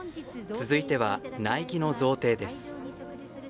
続いては、苗木の贈呈です。